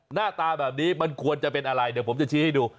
หน้าตาแบบนี้มันควรจะเป็นอะไรเดี๋ยวผมจะชี้ให้ดู